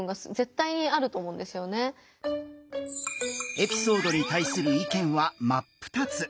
エピソードに対する意見は真っ二つ！